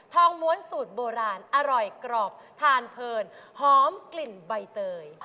งม้วนสูตรโบราณอร่อยกรอบทานเพลินหอมกลิ่นใบเตย